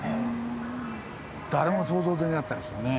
誰も想像できなかったですよね。